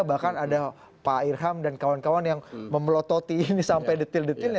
bahkan ada pak irham dan kawan kawan yang memelototi ini sampai detail detailnya